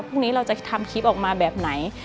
พรุ่งนี้เราจะทำคลิปออกมาแบบไหน